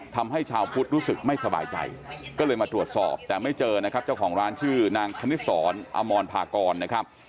ทำให้ชาวพุทธรู้สึกไม่สบายใจก็เลยมาตรวจสอบแต่ไม่เจอนะครับเจ้าของร้านชื่อนางคณิตศรอมรพากรนะครับ